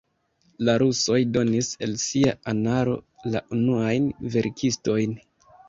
La rusoj donis el sia anaro la unuajn verkistojn.